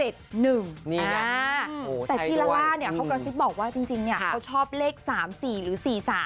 แต่พี่ลาล่าเนี่ยเขากระซิบบอกว่าจริงเขาชอบเลข๓๔หรือ๔๓